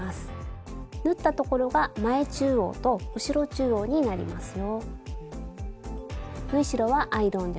縫ったところが前中央と後ろ中央になりますよ。